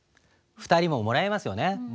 ２人ももらいますよね。